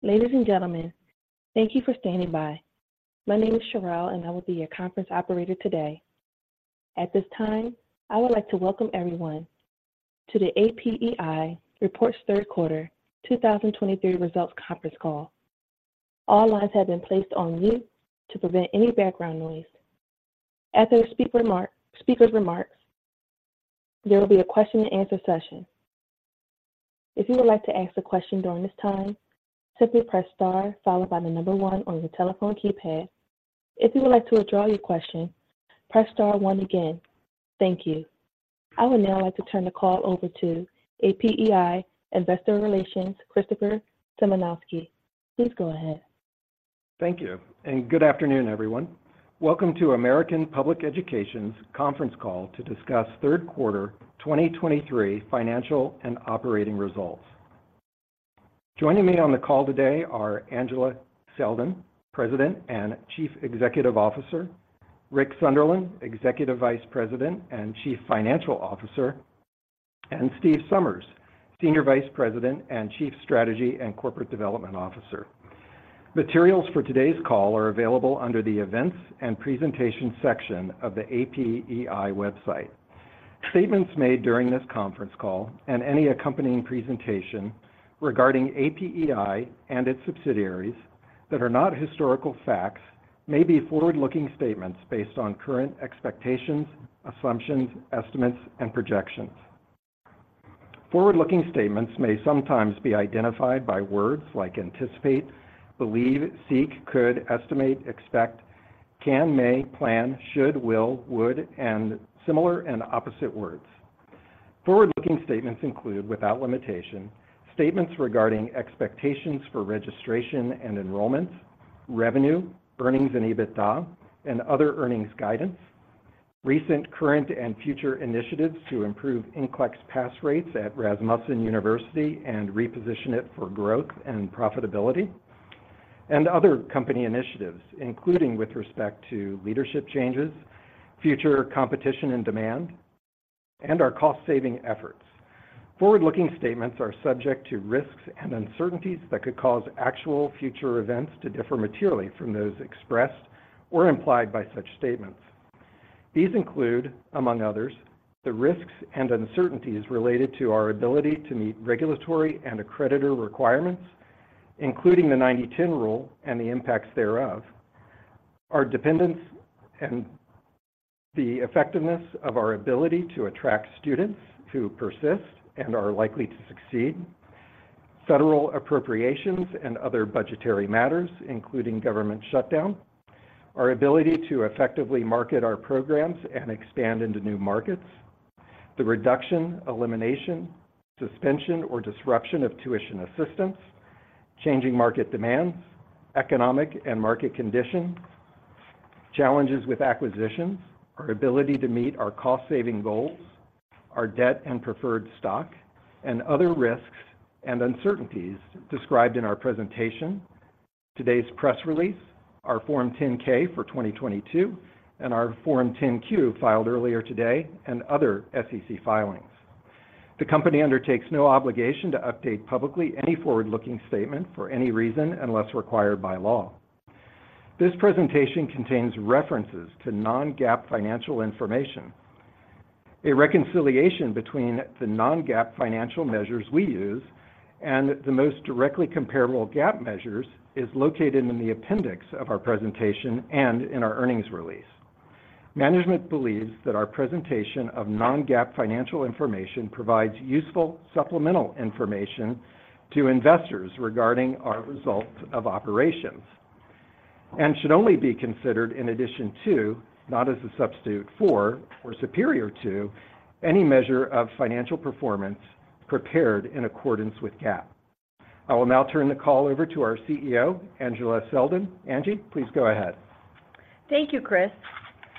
Ladies and gentlemen, thank you for standing by. My name is Cherelle, and I will be your conference operator today. At this time, I would like to welcome everyone to the APEI Reports Third Quarter 2023 Results Conference Call. All lines have been placed on mute to prevent any background noise. After speaker's remarks, there will be a question and answer session. If you would like to ask a question during this time, simply press star followed by the number one on your telephone keypad. If you would like to withdraw your question, press star one again. Thank you. I would now like to turn the call over to APEI Investor Relations, Christopher Symanoskie. Please go ahead. Thank you, and good afternoon, everyone. Welcome to American Public Education's conference call to discuss third quarter 2023 financial and operating results. Joining me on the call today are Angela Selden, President and Chief Executive Officer; Rick Sunderland, Executive Vice President and Chief Financial Officer; and Steve Somers, Senior Vice President and Chief Strategy and Corporate Development Officer. Materials for today's call are available under the Events and Presentations section of the APEI website. Statements made during this conference call and any accompanying presentation regarding APEI and its subsidiaries that are not historical facts may be forward-looking statements based on current expectations, assumptions, estimates, and projections. Forward-looking statements may sometimes be identified by words like anticipate, believe, seek, could, estimate, expect, can, may, plan, should, will, would, and similar and opposite words. Forward-looking statements include, without limitation, statements regarding expectations for registration and enrollment, revenue, earnings and EBITDA, and other earnings guidance, recent, current, and future initiatives to improve NCLEX pass rates at Rasmussen University and reposition it for growth and profitability, and other company initiatives, including with respect to leadership changes, future competition and demand, and our cost-saving efforts. Forward-looking statements are subject to risks and uncertainties that could cause actual future events to differ materially from those expressed or implied by such statements. These include, among others, the risks and uncertainties related to our ability to meet regulatory and accreditor requirements, including the 90/10 rule and the impacts thereof. Our dependence and the effectiveness of our ability to attract students who persist and are likely to succeed. Federal appropriations and other budgetary matters, including government shutdown. Our ability to effectively market our programs and expand into new markets. The reduction, elimination, suspension, or disruption of tuition assistance. Changing market demands. Economic and market conditions. Challenges with acquisitions. Our ability to meet our cost-saving goals. Our debt and preferred stock. And other risks and uncertainties described in our presentation, today's press release, our Form 10-K for 2022, and our Form 10-Q filed earlier today, and other SEC filings. The company undertakes no obligation to update publicly any forward-looking statement for any reason unless required by law. This presentation contains references to non-GAAP financial information. A reconciliation between the non-GAAP financial measures we use and the most directly comparable GAAP measures is located in the appendix of our presentation and in our earnings release. Management believes that our presentation of non-GAAP financial information provides useful supplemental information to investors regarding our results of operations and should only be considered in addition to, not as a substitute for or superior to, any measure of financial performance prepared in accordance with GAAP. I will now turn the call over to our CEO, Angela Selden. Angie, please go ahead. Thank you, Chris.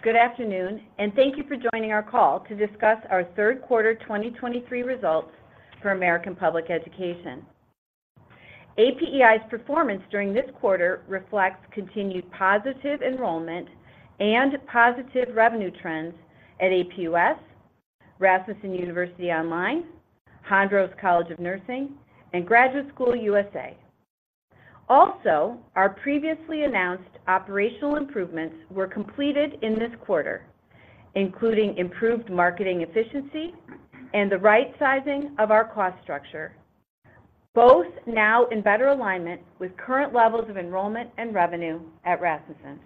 Good afternoon, and thank you for joining our call to discuss our third quarter 2023 results for American Public Education. APEI's performance during this quarter reflects continued positive enrollment and positive revenue trends at APUS, Rasmussen University Online, Hondros College of Nursing, and Graduate School USA. Also, our previously announced operational improvements were completed in this quarter, including improved marketing efficiency and the right sizing of our cost structure, both now in better alignment with current levels of enrollment and revenue at Rasmussen.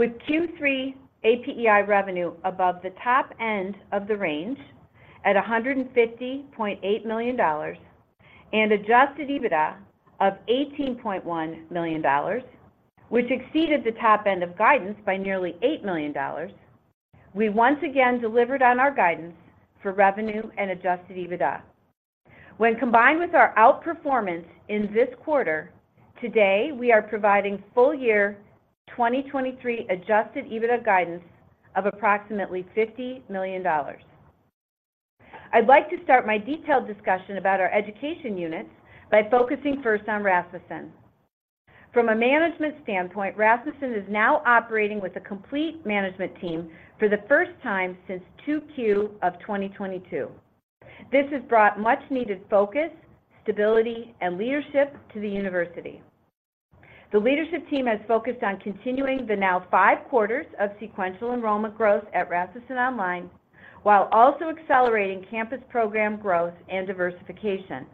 With Q3 APEI revenue above the top end of the range at $150.8 million and adjusted EBITDA of $18.1 million, which exceeded the top end of guidance by nearly $8 million, we once again delivered on our guidance for revenue and adjusted EBITDA. When combined with our outperformance in this quarter, today, we are providing full year 2023 adjusted EBITDA guidance of approximately $50 million. I'd like to start my detailed discussion about our education units by focusing first on Rasmussen. From a management standpoint, Rasmussen is now operating with a complete management team for the first time since 2Q of 2022. This has brought much-needed focus, stability, and leadership to the university. The leadership team has focused on continuing the now five quarters of sequential enrollment growth at Rasmussen Online, while also accelerating campus program growth and diversification.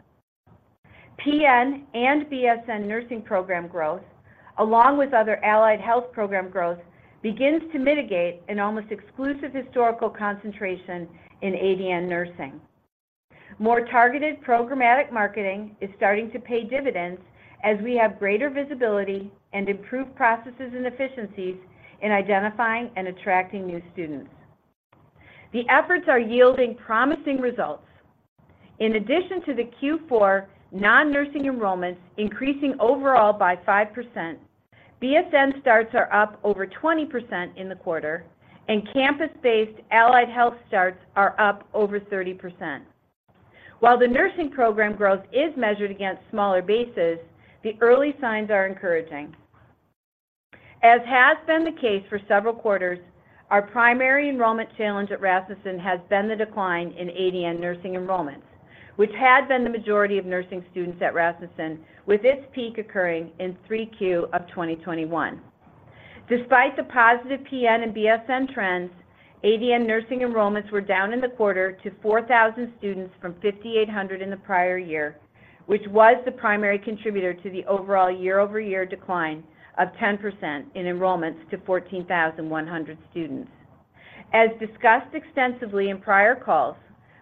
PN and BSN nursing program growth, along with other allied health program growth, begins to mitigate an almost exclusive historical concentration in ADN nursing. More targeted programmatic marketing is starting to pay dividends as we have greater visibility and improved processes and efficiencies in identifying and attracting new students. The efforts are yielding promising results. In addition to the Q4 non-nursing enrollments increasing overall by 5%, BSN starts are up over 20% in the quarter, and campus-based allied health starts are up over 30%. While the nursing program growth is measured against smaller bases, the early signs are encouraging. As has been the case for several quarters, our primary enrollment challenge at Rasmussen has been the decline in ADN nursing enrollments, which had been the majority of nursing students at Rasmussen, with its peak occurring in Q3 of 2021. Despite the positive PN and BSN trends, ADN nursing enrollments were down in the quarter to 4,000 students from 5,800 in the prior year, which was the primary contributor to the overall year-over-year decline of 10% in enrollments to 14,100 students. As discussed extensively in prior calls,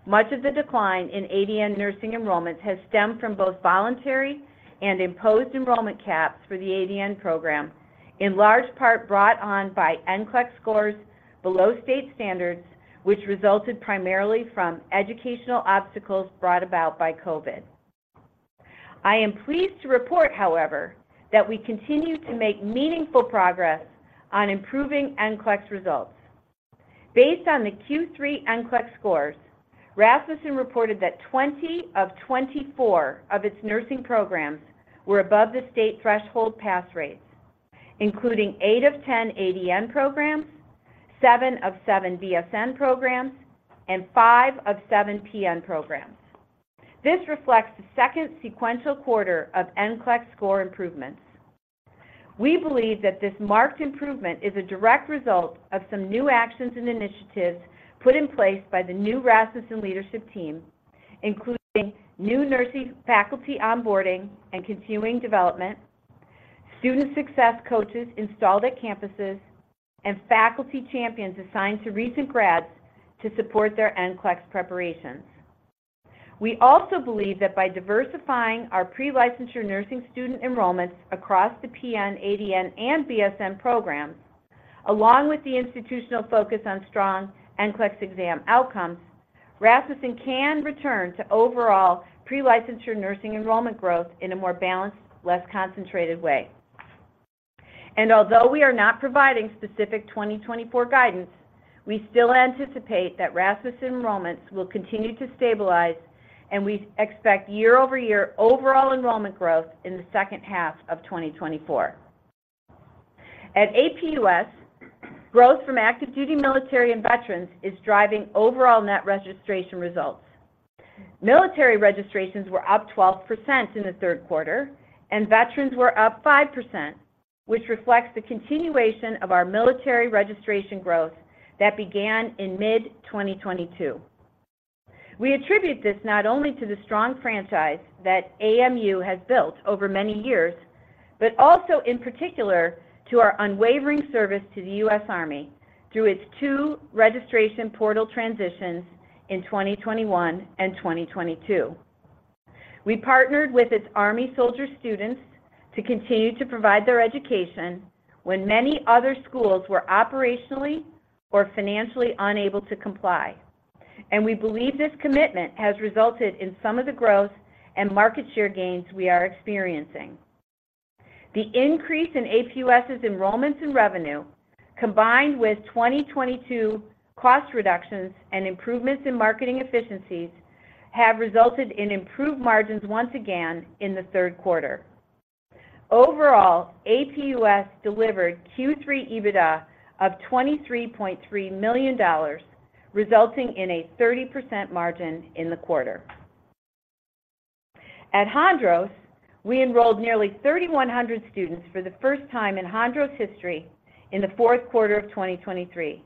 much of the decline in ADN nursing enrollments has stemmed from both voluntary and imposed enrollment caps for the ADN program, in large part brought on by NCLEX scores below state standards, which resulted primarily from educational obstacles brought about by COVID. I am pleased to report, however, that we continue to make meaningful progress on improving NCLEX results. Based on the Q3 NCLEX scores, Rasmussen reported that 20 of 24 of its nursing programs were above the state threshold pass rates, including eight of 10 ADN programs, seven of seven BSN programs, and five of seven PN programs. This reflects the second sequential quarter of NCLEX score improvements. We believe that this marked improvement is a direct result of some new actions and initiatives put in place by the new Rasmussen leadership team, including new nursing faculty onboarding and continuing development, student success coaches installed at campuses, and faculty champions assigned to recent grads to support their NCLEX preparations. We also believe that by diversifying our pre-licensure nursing student enrollments across the PN, ADN, and BSN programs, along with the institutional focus on strong NCLEX exam outcomes, Rasmussen can return to overall pre-licensure nursing enrollment growth in a more balanced, less concentrated way. Although we are not providing specific 2024 guidance, we still anticipate that Rasmussen enrollments will continue to stabilize, and we expect year-over-year overall enrollment growth in the second half of 2024. At APUS, growth from active duty military and veterans is driving overall net registration results. Military registrations were up 12% in the third quarter, and veterans were up 5%, which reflects the continuation of our military registration growth that began in mid-2022. We attribute this not only to the strong franchise that AMU has built over many years, but also in particular to our unwavering service to the U.S. Army through its two registration portal transitions in 2021 and 2022. We partnered with its Army soldier students to continue to provide their education when many other schools were operationally or financially unable to comply, and we believe this commitment has resulted in some of the growth and market share gains we are experiencing. The increase in APUS's enrollments and revenue, combined with 2022 cost reductions and improvements in marketing efficiencies, have resulted in improved margins once again in the third quarter. Overall, APUS delivered Q3 EBITDA of $23.3 million, resulting in a 30% margin in the quarter. At Hondros, we enrolled nearly 3,100 students for the first time in Hondros history in the fourth quarter of 2023,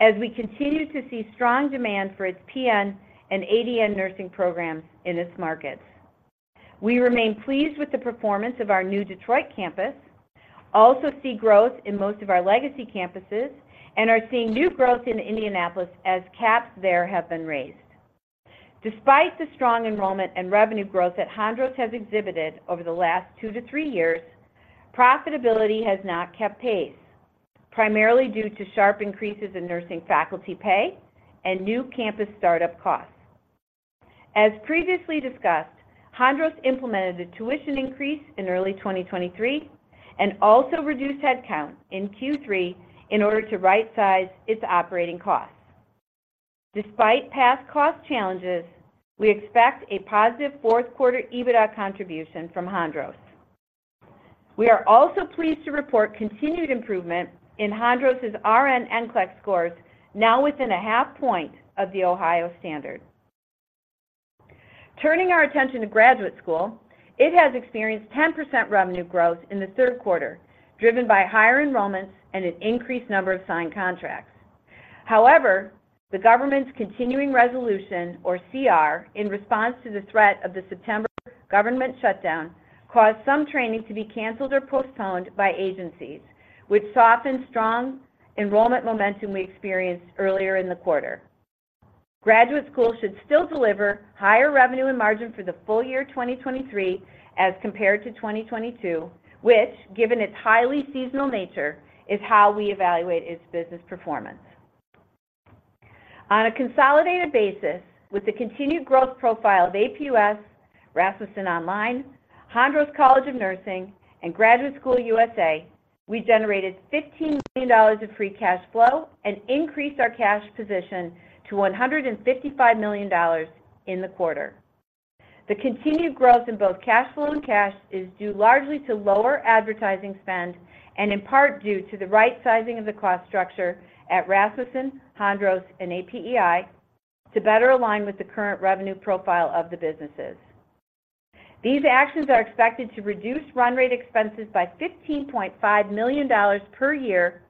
as we continue to see strong demand for its PN and ADN nursing programs in its markets. We remain pleased with the performance of our new Detroit campus, also see growth in most of our legacy campuses, and are seeing new growth in Indianapolis as caps there have been raised. Despite the strong enrollment and revenue growth that Hondros has exhibited over the last two to three years, profitability has not kept pace, primarily due to sharp increases in nursing faculty pay and new campus startup costs. As previously discussed, Hondros implemented a tuition increase in early 2023 and also reduced headcount in Q3 in order to rightsize its operating costs... Despite past cost challenges, we expect a positive fourth quarter EBITDA contribution from Hondros. We are also pleased to report continued improvement in Hondros's RN NCLEX scores, now within a half point of the Ohio standard. Turning our attention to Graduate School, it has experienced 10% revenue growth in the third quarter, driven by higher enrollments and an increased number of signed contracts. However, the government's continuing resolution, or CR, in response to the threat of the September government shutdown, caused some training to be canceled or postponed by agencies, which softened strong enrollment momentum we experienced earlier in the quarter. Graduate School USA should still deliver higher revenue and margin for the full year 2023 as compared to 2022, which, given its highly seasonal nature, is how we evaluate its business performance. On a consolidated basis, with the continued growth profile of APUS, Rasmussen Online, Hondros College of Nursing, and Graduate School USA, we generated $15 million of free cash flow and increased our cash position to $155 million in the quarter. The continued growth in both cash flow and cash is due largely to lower advertising spend and in part due to the right sizing of the cost structure at Rasmussen, Hondros, and APEI to better align with the current revenue profile of the businesses. These actions are expected to reduce run rate expenses by $15.5 million per year,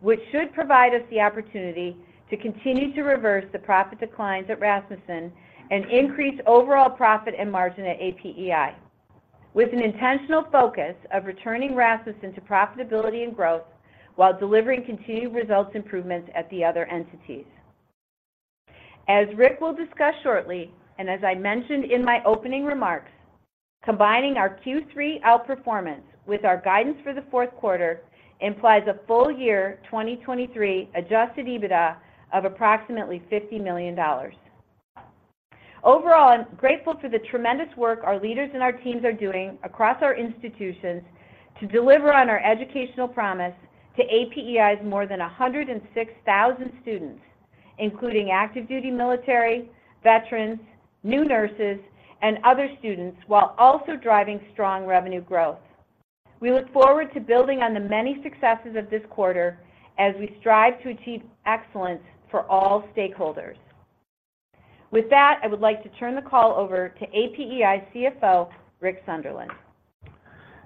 which should provide us the opportunity to continue to reverse the profit declines at Rasmussen and increase overall profit and margin at APEI, with an intentional focus of returning Rasmussen to profitability and growth while delivering continued results improvements at the other entities. As Rick will discuss shortly, and as I mentioned in my opening remarks, combining our Q3 outperformance with our guidance for the fourth quarter implies a full year 2023 adjusted EBITDA of approximately $50 million. Overall, I'm grateful for the tremendous work our leaders and our teams are doing across our institutions to deliver on our educational promise to APEI's more than 106,000 students, including active duty military, veterans, new nurses, and other students, while also driving strong revenue growth. We look forward to building on the many successes of this quarter as we strive to achieve excellence for all stakeholders. With that, I would like to turn the call over to APEI's CFO, Rick Sunderland.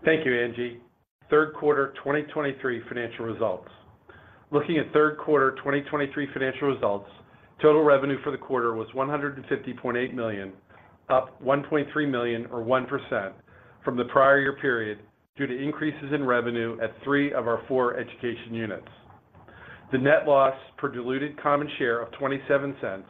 Thank you, Angie. Third quarter 2023 financial results. Looking at third quarter 2023 financial results, total revenue for the quarter was $150.8 million, up $1.3 million or 1% from the prior year period, due to increases in revenue at three of our four education units. The net loss per diluted common share of $0.27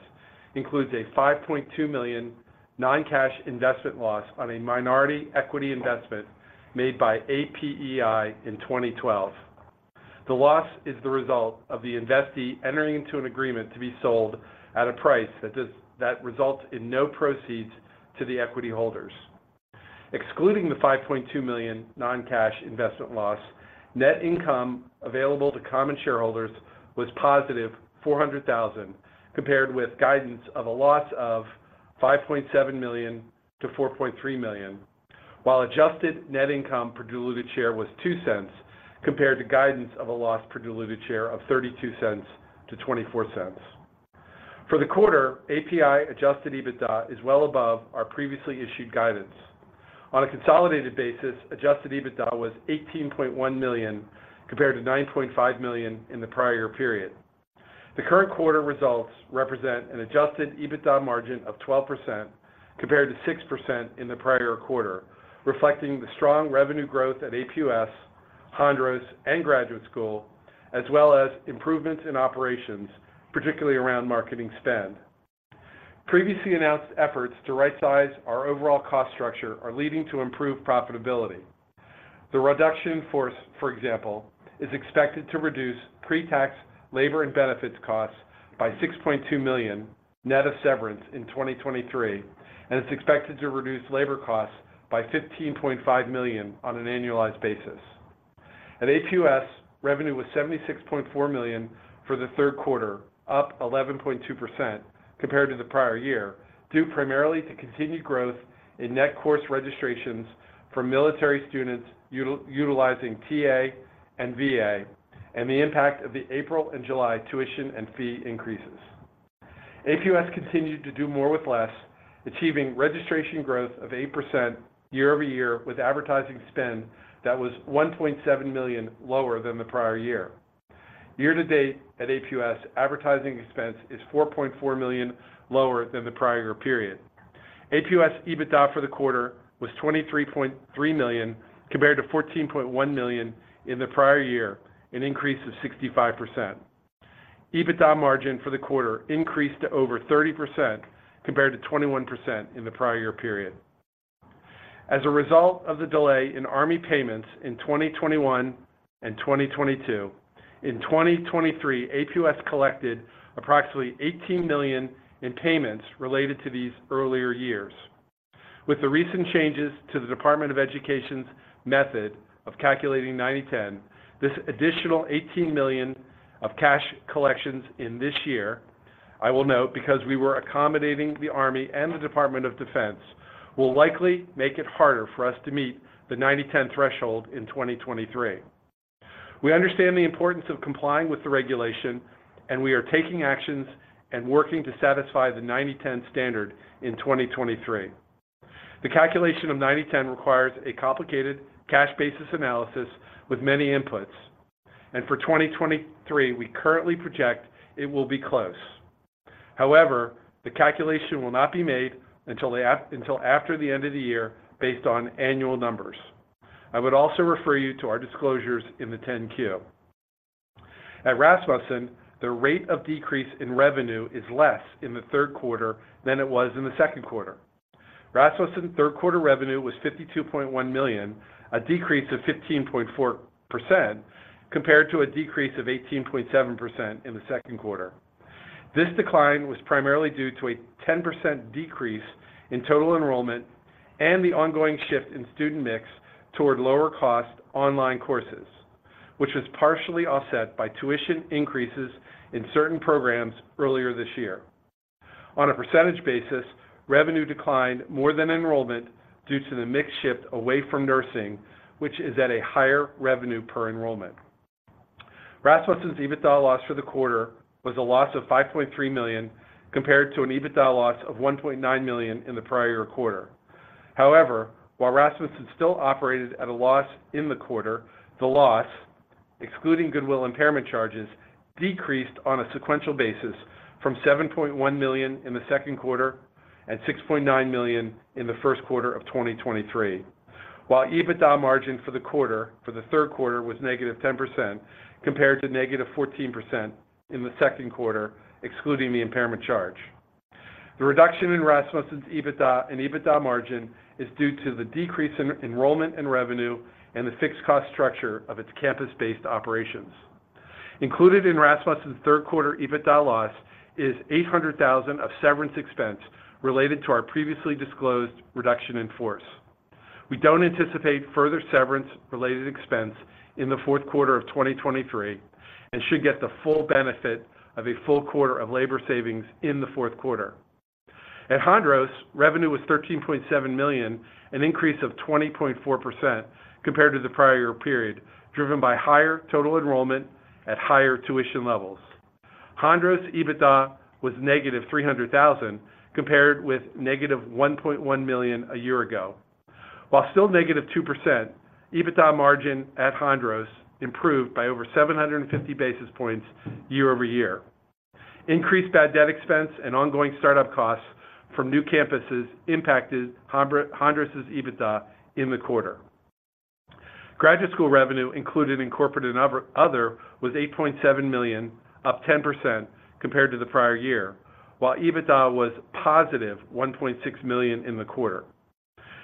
includes a $5.2 million non-cash investment loss on a minority equity investment made by APEI in 2012. The loss is the result of the investee entering into an agreement to be sold at a price that results in no proceeds to the equity holders. Excluding the $5.2 million non-cash investment loss, net income available to common shareholders was positive $400,000, compared with guidance of a loss of $5.7 million-$4.3 million, while adjusted net income per diluted share was $0.02 compared to guidance of a loss per diluted share of $0.32-$0.24. For the quarter, APEI adjusted EBITDA is well above our previously issued guidance. On a consolidated basis, adjusted EBITDA was $18.1 million, compared to $9.5 million in the prior period. The current quarter results represent an adjusted EBITDA margin of 12%, compared to 6% in the prior quarter, reflecting the strong revenue growth at APUS, Hondros, and Graduate School, as well as improvements in operations, particularly around marketing spend. Previously announced efforts to rightsize our overall cost structure are leading to improved profitability. The reduction in force, for example, is expected to reduce pre-tax labor and benefits costs by $6.2 million net of severance in 2023, and it's expected to reduce labor costs by $15.5 million on an annualized basis. At APUS, revenue was $76.4 million for the third quarter, up 11.2% compared to the prior year, due primarily to continued growth in net course registrations for military students utilizing TA and VA, and the impact of the April and July tuition and fee increases. APUS continued to do more with less, achieving registration growth of 8% year-over-year with advertising spend that was $1.7 million lower than the prior year. Year to date at APUS, advertising expense is $4.4 million lower than the prior period. APUS EBITDA for the quarter was $23.3 million, compared to $14.1 million in the prior year, an increase of 65%. EBITDA margin for the quarter increased to over 30%, compared to 21% in the prior year period. As a result of the delay in Army payments in 2021 and 2022, in 2023, APUS collected approximately $18 million in payments related to these earlier years. With the recent changes to the Department of Education's method of calculating 90/10, this additional $18 million of cash collections in this year, I will note, because we were accommodating the Army and the Department of Defense, will likely make it harder for us to meet the 90/10 threshold in 2023. We understand the importance of complying with the regulation, and we are taking actions and working to satisfy the 90/10 standard in 2023. The calculation of 90/10 requires a complicated cash basis analysis with many inputs, and for 2023, we currently project it will be close. However, the calculation will not be made until after the end of the year, based on annual numbers. I would also refer you to our disclosures in the 10-Q. At Rasmussen, the rate of decrease in revenue is less in the third quarter than it was in the second quarter. Rasmussen third quarter revenue was $52.1 million, a decrease of 15.4%, compared to a decrease of 18.7% in the second quarter. This decline was primarily due to a 10% decrease in total enrollment and the ongoing shift in student mix toward lower-cost online courses, which was partially offset by tuition increases in certain programs earlier this year. On a percentage basis, revenue declined more than enrollment due to the mix shift away from nursing, which is at a higher revenue per enrollment. Rasmussen's EBITDA loss for the quarter was a loss of $5.3 million, compared to an EBITDA loss of $1.9 million in the prior quarter. However, while Rasmussen still operated at a loss in the quarter, the loss, excluding goodwill impairment charges, decreased on a sequential basis from $7.1 million in the second quarter and $6.9 million in the first quarter of 2023. While EBITDA margin for the quarter, for the third quarter, was -10% compared to -14% in the second quarter, excluding the impairment charge. The reduction in Rasmussen's EBITDA and EBITDA margin is due to the decrease in enrollment and revenue and the fixed cost structure of its campus-based operations. Included in Rasmussen's third quarter EBITDA loss is $800,000 of severance expense related to our previously disclosed reduction in force. We don't anticipate further severance-related expense in the fourth quarter of 2023 and should get the full benefit of a full quarter of labor savings in the fourth quarter. At Hondros, revenue was $13.7 million, an increase of 20.4% compared to the prior period, driven by higher total enrollment at higher tuition levels. Hondros' EBITDA was negative $300,000, compared with negative $1.1 million a year ago. While still negative 2%, EBITDA margin at Hondros improved by over 750 basis points year-over-year. Increased bad debt expense and ongoing startup costs from new campuses impacted Hondros' EBITDA in the quarter. Graduate School revenue included in corporate and other was $8.7 million, up 10% compared to the prior year, while EBITDA was positive $1.6 million in the quarter.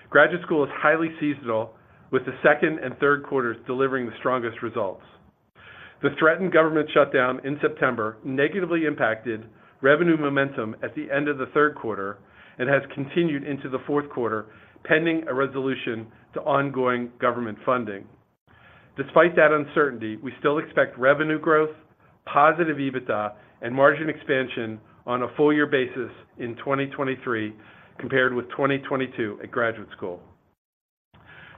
Graduate School is highly seasonal, with the second and third quarters delivering the strongest results. The threatened government shutdown in September negatively impacted revenue momentum at the end of the third quarter and has continued into the fourth quarter, pending a resolution to ongoing government funding. Despite that uncertainty, we still expect revenue growth, positive EBITDA, and margin expansion on a full year basis in 2023 compared with 2022 at Graduate School.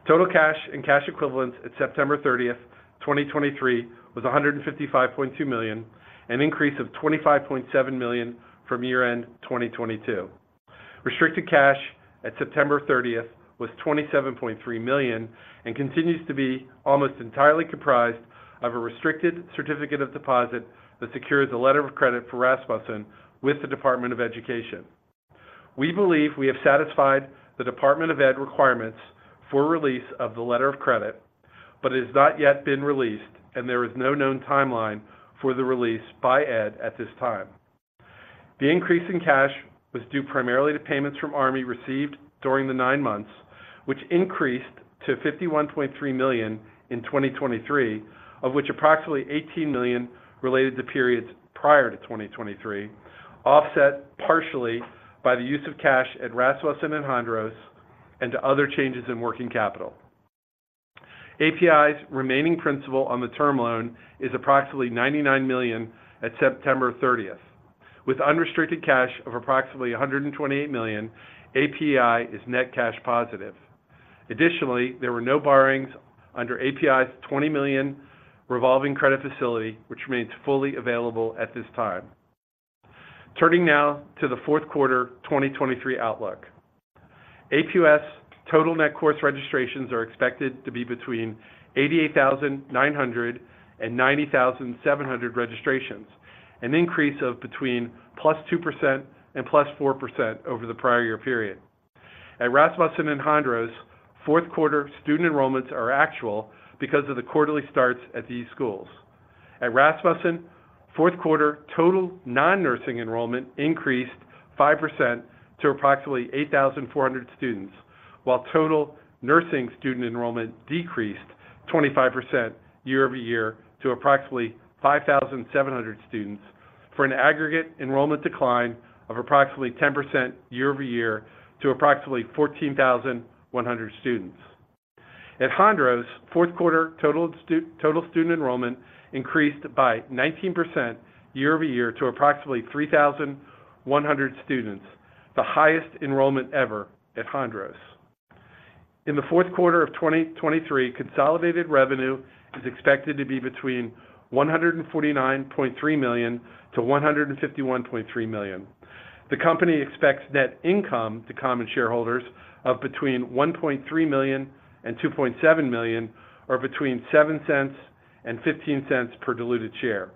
Total cash and cash equivalents at September 30, 2023, was $155.2 million, an increase of $25.7 million from year-end 2022. Restricted cash at September 30 was $27.3 million and continues to be almost entirely comprised of a restricted certificate of deposit that secures a letter of credit for Rasmussen with the Department of Education. We believe we have satisfied the Department of Ed requirements for release of the letter of credit, but it has not yet been released and there is no known timeline for the release by ED at this time. The increase in cash was due primarily to payments from Army received during the nine months, which increased to $51.3 million in 2023, of which approximately $18 million related to periods prior to 2023, offset partially by the use of cash at Rasmussen and Hondros and to other changes in working capital. APEI's remaining principal on the term loan is approximately $99 million at September 30th. With unrestricted cash of approximately $128 million, APEI is net cash positive. Additionally, there were no borrowings under APEI's $20 million revolving credit facility, which remains fully available at this time. Turning now to the fourth quarter 2023 outlook. APUS total net course registrations are expected to be between 88,900 and 90,700 registrations, an increase of between +2% and +4% over the prior year period. At Rasmussen and Hondros, fourth quarter student enrollments are actual because of the quarterly starts at these schools. At Rasmussen, fourth quarter total non-nursing enrollment increased 5% to approximately 8,400 students, while total nursing student enrollment decreased 25% year-over-year to approximately 5,700 students for an aggregate enrollment decline of approximately 10% year-over-year to approximately 14,100 students. At Hondros, fourth quarter total student enrollment increased by 19% year-over-year to approximately 3,100 students, the highest enrollment ever at Hondros. In the fourth quarter of 2023, consolidated revenue is expected to be between $149.3 million to $151.3 million. The company expects net income to common shareholders of between $1.3 million and $2.7 million, or between $0.07 and $0.15 per diluted share.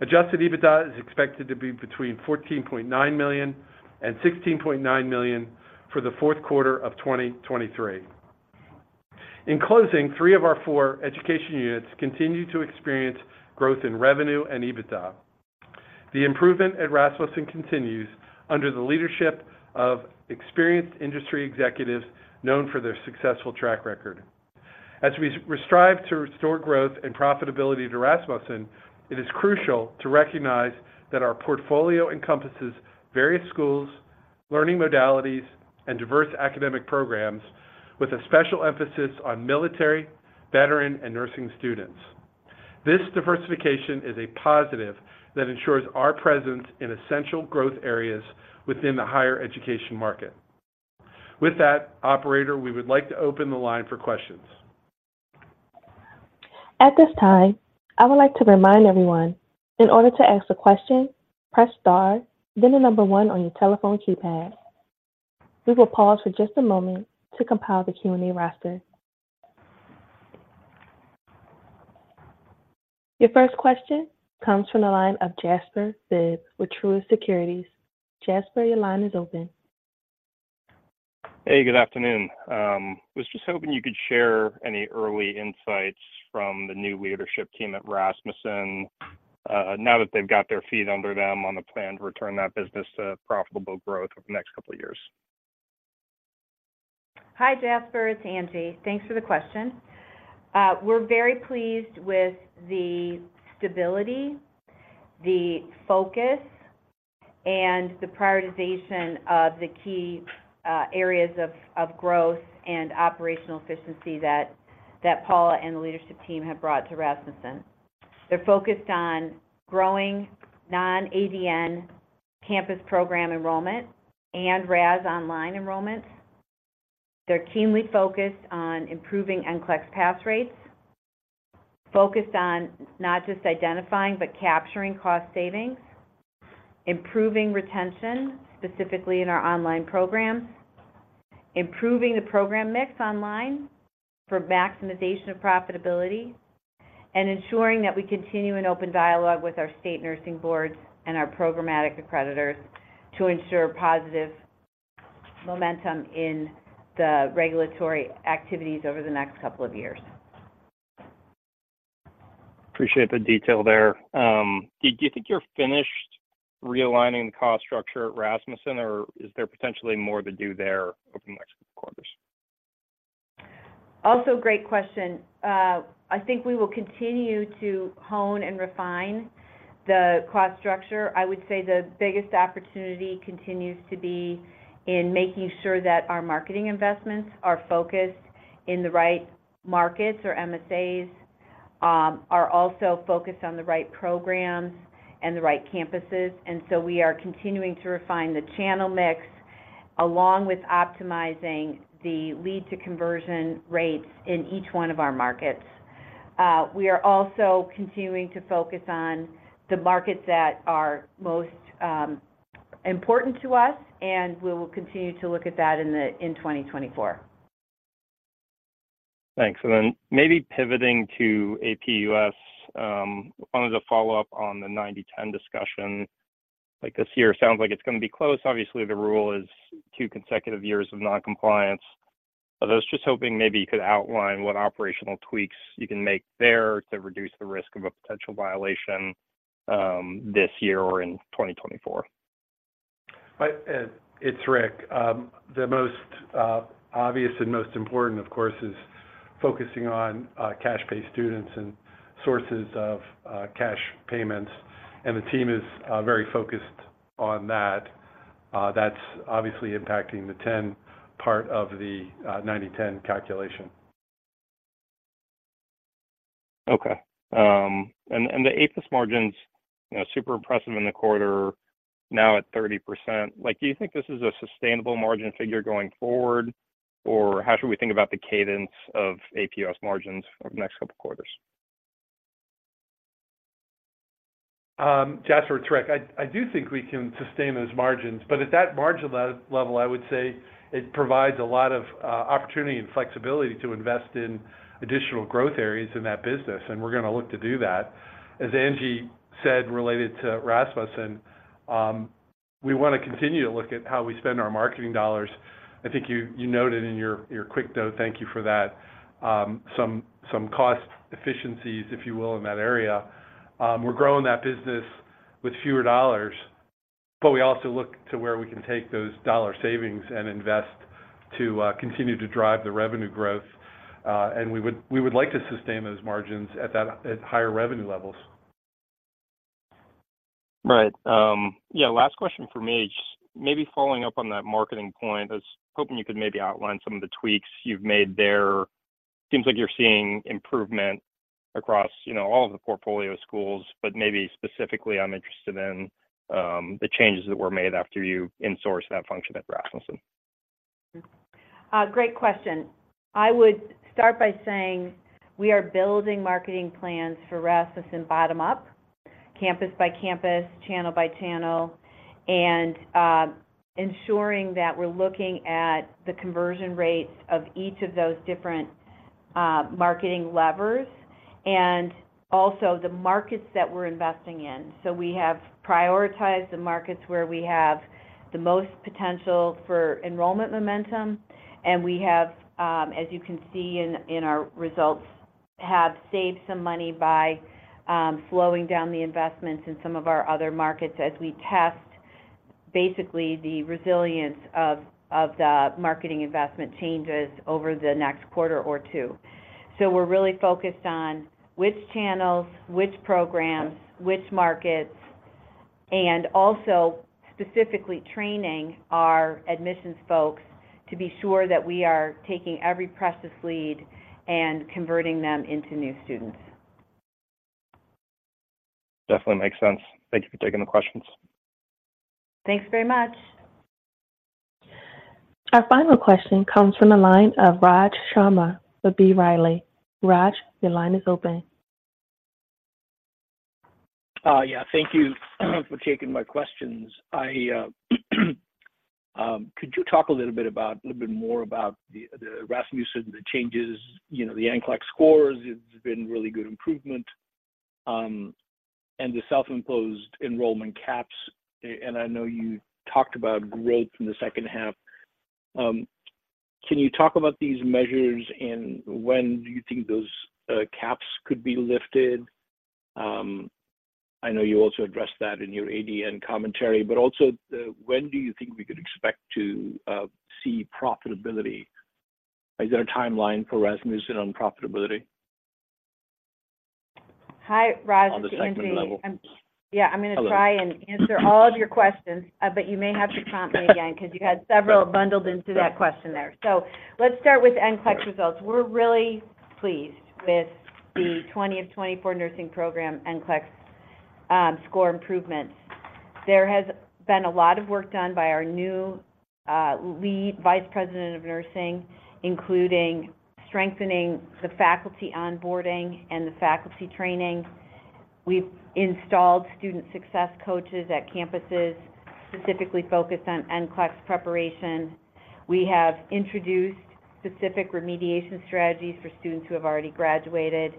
Adjusted EBITDA is expected to be between $14.9 million and $16.9 million for the fourth quarter of 2023. In closing, three of our four education units continue to experience growth in revenue and EBITDA. The improvement at Rasmussen continues under the leadership of experienced industry executives known for their successful track record. As we strive to restore growth and profitability to Rasmussen, it is crucial to recognize that our portfolio encompasses various schools, learning modalities, and diverse academic programs, with a special emphasis on military, veteran, and nursing students. This diversification is a positive that ensures our presence in essential growth areas within the higher education market. With that, operator, we would like to open the line for questions. At this time, I would like to remind everyone, in order to ask a question, press star, then the number one on your telephone keypad. We will pause for just a moment to compile the Q&A roster. Your first question comes from the line of Jasper Bibb with Truist Securities. Jasper, your line is open. Hey, good afternoon. Was just hoping you could share any early insights from the new leadership team at Rasmussen, now that they've got their feet under them on the plan to return that business to profitable growth over the next couple of years. Hi, Jasper, it's Angie. Thanks for the question. We're very pleased with the stability, the focus, and the prioritization of the key areas of growth and operational efficiency that Paula and the leadership team have brought to Rasmussen. They're focused on growing non-ADN campus program enrollment and RAS online enrollment. They're keenly focused on improving NCLEX pass rates, focused on not just identifying, but capturing cost savings, improving retention, specifically in our online programs, improving the program mix online for maximization of profitability, and ensuring that we continue an open dialogue with our state nursing boards and our programmatic accreditors to ensure positive momentum in the regulatory activities over the next couple of years. Appreciate the detail there. Do you think you're finished realigning the cost structure at Rasmussen, or is there potentially more to do there over the next couple quarters? Also, great question. I think we will continue to hone and refine the cost structure. I would say the biggest opportunity continues to be in making sure that our marketing investments are focused in the right markets, or MSAs, are also focused on the right programs and the right campuses. And so we are continuing to refine the channel mix, along with optimizing the lead to conversion rates in each one of our markets. We are also continuing to focus on the markets that are most important to us, and we will continue to look at that in 2024. Thanks. And then maybe pivoting to APUS, I wanted to follow up on the 90/10 discussion. Like, this year sounds like it's gonna be close. Obviously, the rule is two consecutive years of non-compliance. I was just hoping maybe you could outline what operational tweaks you can make there to reduce the risk of a potential violation, this year or in 2024. It's Rick. The most obvious and most important, of course, is focusing on cash-pay students and sources of cash payments, and the team is very focused on that. That's obviously impacting the 10 part of the 90/10 calculation. Okay. And the APUS margins, you know, super impressive in the quarter, now at 30%. Like, do you think this is a sustainable margin figure going forward, or how should we think about the cadence of APUS margins over the next couple quarters? Jasper, it's Rick. I do think we can sustain those margins, but at that margin level, I would say it provides a lot of opportunity and flexibility to invest in additional growth areas in that business, and we're gonna look to do that. As Angie said, related to Rasmussen, we wanna continue to look at how we spend our marketing dollars. I think you noted in your quick note, thank you for that, some cost efficiencies, if you will, in that area. We're growing that business with fewer dollars. But we also look to where we can take those dollar savings and invest to continue to drive the revenue growth. And we would like to sustain those margins at higher revenue levels. Right. Yeah, last question for me. Just maybe following up on that marketing point, I was hoping you could maybe outline some of the tweaks you've made there. Seems like you're seeing improvement across, you know, all of the portfolio schools, but maybe specifically, I'm interested in the changes that were made after you insourced that function at Rasmussen. Great question. I would start by saying we are building marketing plans for Rasmussen bottom up, campus by campus, channel by channel, and ensuring that we're looking at the conversion rates of each of those different marketing levers, and also the markets that we're investing in. So we have prioritized the markets where we have the most potential for enrollment momentum, and we have, as you can see in our results, have saved some money by slowing down the investments in some of our other markets as we test, basically, the resilience of the marketing investment changes over the next quarter or two. So we're really focused on which channels, which programs, which markets, and also specifically training our admissions folks to be sure that we are taking every precious lead and converting them into new students. Definitely makes sense. Thank you for taking the questions. Thanks very much. Our final question comes from the line of Raj Sharma with B. Riley. Raj, your line is open. Yeah, thank you for taking my questions. Could you talk a little bit more about the Rasmussen, the changes, you know, the NCLEX scores? It's been really good improvement, and the self-imposed enrollment caps, and I know you talked about growth in the second half. Can you talk about these measures, and when do you think those caps could be lifted? I know you also addressed that in your ADN commentary, but also when do you think we could expect to see profitability? Is there a timeline for Rasmussen on profitability? Hi, Raj. It's Angela. On the second level. Yeah, I'm gonna try. Hello.... and answer all of your questions, but you may have to prompt me again—'cause you had several bundled into that question there. So let's start with NCLEX results. We're really pleased with the 20 of 24 nursing program NCLEX score improvements. There has been a lot of work done by our new lead vice president of nursing, including strengthening the faculty onboarding and the faculty training. We've installed student success coaches at campuses, specifically focused on NCLEX preparation. We have introduced specific remediation strategies for students who have already graduated.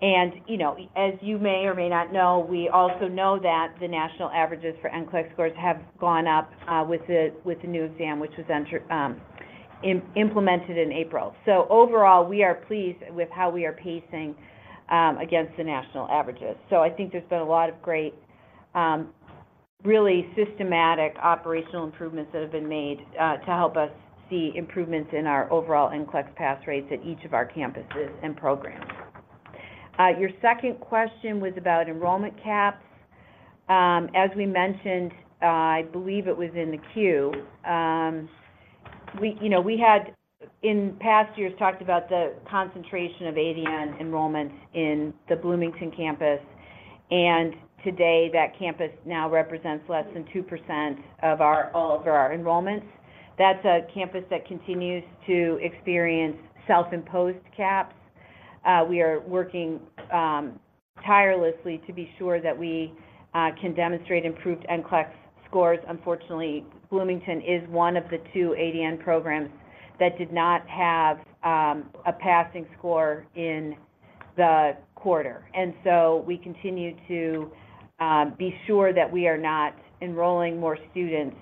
And, you know, as you may or may not know, we also know that the national averages for NCLEX scores have gone up with the new exam, which was implemented in April. So overall, we are pleased with how we are pacing against the national averages. So I think there's been a lot of great, really systematic operational improvements that have been made, to help us see improvements in our overall NCLEX pass rates at each of our campuses and programs. Your second question was about enrollment caps. As we mentioned, I believe it was in the queue, we, you know, we had in past years, talked about the concentration of ADN enrollment in the Bloomington campus, and today, that campus now represents less than 2% of our, all of our enrollments. That's a campus that continues to experience self-imposed caps. We are working, tirelessly to be sure that we, can demonstrate improved NCLEX scores. Unfortunately, Bloomington is one of the two ADN programs that did not have, a passing score in the quarter. We continue to be sure that we are not enrolling more students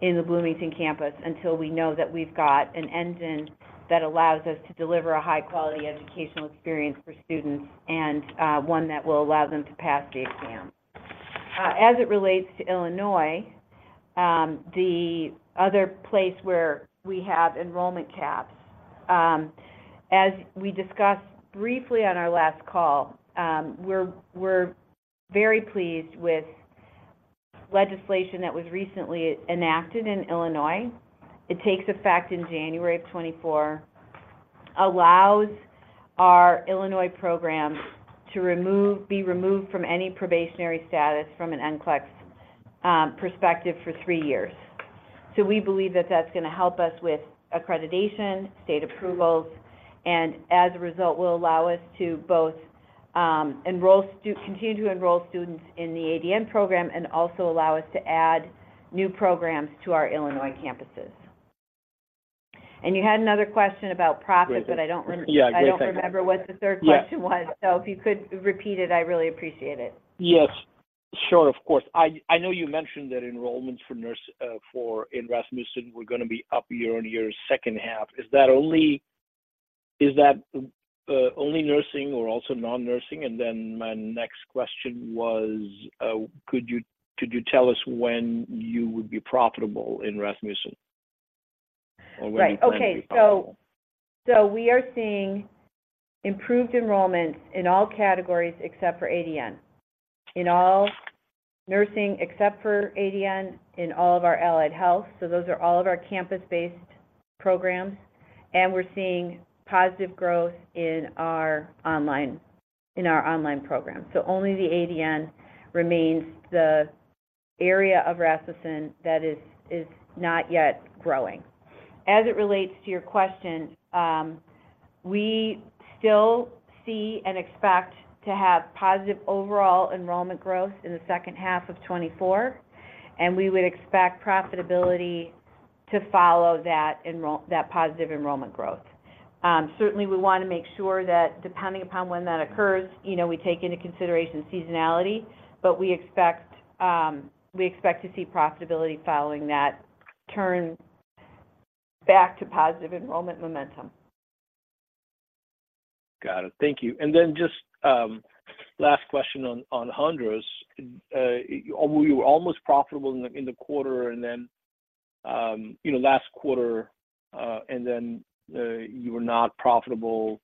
in the Bloomington campus until we know that we've got an engine that allows us to deliver a high-quality educational experience for students and one that will allow them to pass the exam. As it relates to Illinois, the other place where we have enrollment caps, as we discussed briefly on our last call, we're very pleased with legislation that was recently enacted in Illinois. It takes effect in January of 2024, allows our Illinois program to be removed from any probationary status from an NCLEX perspective for three years. So we believe that that's gonna help us with accreditation, state approvals, and as a result, will allow us to both, continue to enroll students in the ADN program and also allow us to add new programs to our Illinois campuses. You had another question about profit- Great. but I don't rem- Yeah, great. Thank you. I don't remember what the third question was. Yeah. So if you could repeat it, I really appreciate it. Yes. Sure, of course. I know you mentioned that enrollments for nursing in Rasmussen were gonna be up year on year, second half. Is that only nursing or also non-nursing? And then my next question was, could you tell us when you would be profitable in Rasmussen? Or when you plan to be profitable? Right. Okay. So, so we are seeing improved enrollment in all categories except for ADN. In all nursing, except for ADN, in all of our allied health. So those are all of our campus-based programs, and we're seeing positive growth in our online program. So only the ADN remains the area of Rasmussen that is not yet growing. As it relates to your question, we still see and expect to have positive overall enrollment growth in the second half of 2024, and we would expect profitability to follow that positive enrollment growth. Certainly, we want to make sure that depending upon when that occurs, you know, we take into consideration seasonality, but we expect to see profitability following that turn back to positive enrollment momentum. Got it. Thank you. And then just, last question on Hondros. You were almost profitable in the quarter and then, you know, last quarter, and then, you were not profitable,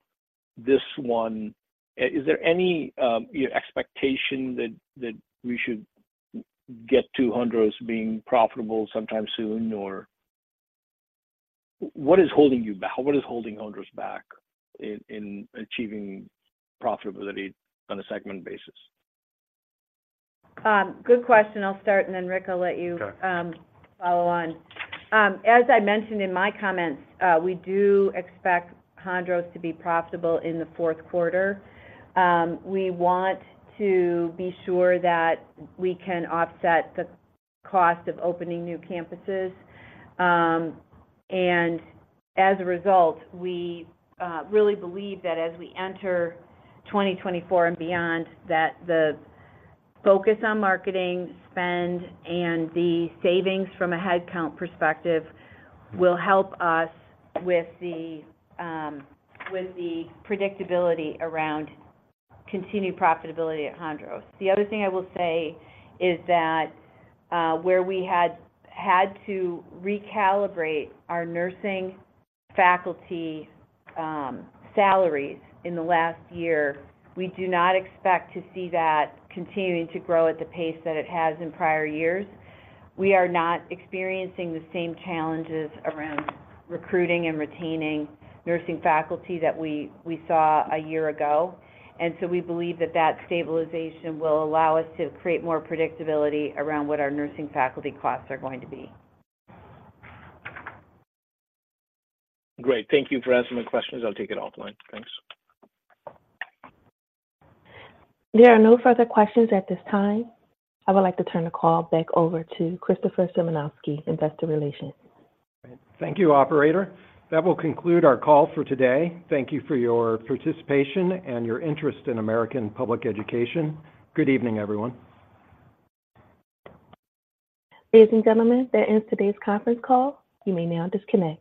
this one. Is there any expectation that we should get to Hondros being profitable sometime soon, or what is holding you back? What is holding Hondros back in achieving profitability on a segment basis? Good question. I'll start, and then, Rick, I'll let you- Okay. Follow on. As I mentioned in my comments, we do expect Hondros to be profitable in the fourth quarter. We want to be sure that we can offset the cost of opening new campuses. As a result, we really believe that as we enter 2024 and beyond, that the focus on marketing spend and the savings from a headcount perspective will help us with the predictability around continued profitability at Hondros. The other thing I will say is that where we had to recalibrate our nursing faculty salaries in the last year, we do not expect to see that continuing to grow at the pace that it has in prior years. We are not experiencing the same challenges around recruiting and retaining nursing faculty that we saw a year ago. We believe that that stabilization will allow us to create more predictability around what our nursing faculty costs are going to be. Great. Thank you for answering my questions. I'll take it offline. Thanks. There are no further questions at this time. I would like to turn the call back over to Chris Symanoskie, Investor Relations. Thank you, operator. That will conclude our call for today. Thank you for your participation and your interest in American Public Education. Good evening, everyone. Ladies and gentlemen, that ends today's conference call. You may now disconnect.